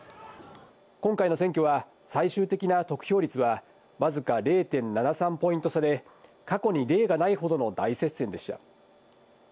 今回の選挙は、最終的な得票率は、僅か０．７３ポイント差で、過去に例がないほどの大接戦でした。